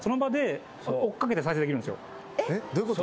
どういうこと？